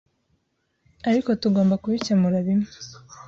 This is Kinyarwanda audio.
ariko tugomba kubikemura bimwe.